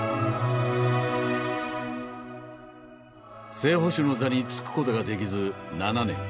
正捕手の座に就くことができず７年。